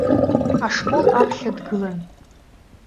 Ашкол аԥхьа дгылан.